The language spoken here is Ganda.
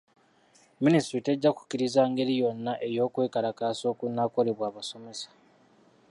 Minisitule tejja kukkiriza ngeri yonna ey'okwekalakaasa okunaakolebwa abasomesa.